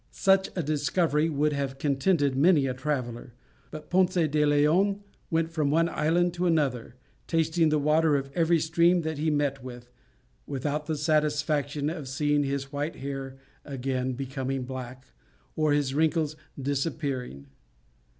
Such a discovery would have contented many a traveller, but Ponce de Leon went from one island to another, tasting the water of every stream that he met with, without the satisfaction of seeing his white hair again becoming black or his wrinkles disappearing.